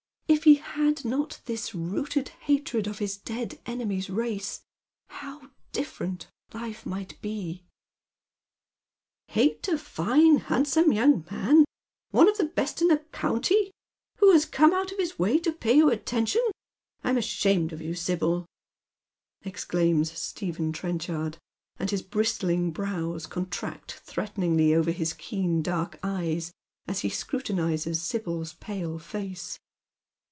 If he had not this rooted hatred of his dead enemy's race, how different life might be !" Hate a fine, handsome young man — one of the best men in flie county — who has come out of his way to pay you attention ! 1 m ashamed of you, Sibj'l," exclaims Stephen Trenchard, and his bristling brows contract threateningly over his keen dark eyes as he scrutinizes Sibyl's pale face.